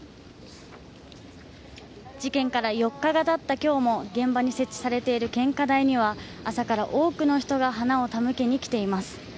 事件から４日がたったきょうも、現場に設置されている献花台には、朝から多くの人が花を手向けに来ています。